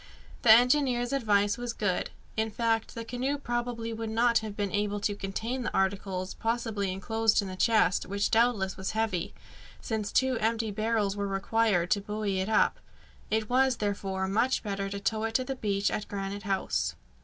The engineer's advice was good. In fact, the canoe probably would not have been able to contain the articles possibly enclosed in the chest, which doubtless was heavy, since two empty barrels were required to buoy it up. It was, therefore, much better to tow it to the beach at Granite House.